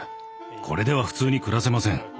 これでは普通に暮らせません。